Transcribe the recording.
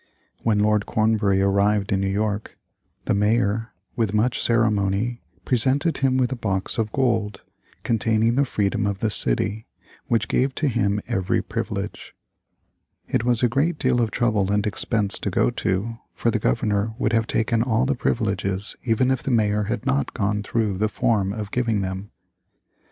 When Lord Cornbury arrived in New York, the Mayor, with much ceremony, presented him with a box of gold, containing the freedom of the city, which gave to him every privilege. It was a great deal of trouble and expense to go to, for the Governor would have taken all the privileges, even if the Mayor had not gone through the form of giving them.